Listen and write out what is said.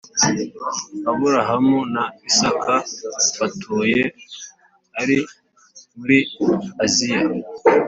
Aburahamu na Isaka batuye ari muri aziya